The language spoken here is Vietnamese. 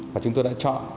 và chúng tôi đã chọn